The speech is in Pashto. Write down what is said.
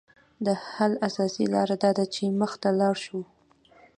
د حل اساسي لاره داده چې مخ ته ولاړ شو